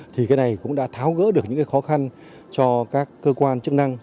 thì cái này cũng đã tháo gỡ được những khó khăn cho các cơ quan chức năng